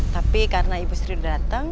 tapi karena ibu sri datang